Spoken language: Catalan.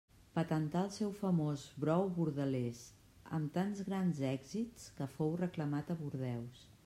Patentà el seu famós brou bordelés, amb tants grans èxits que fou reclamat a Bordeus.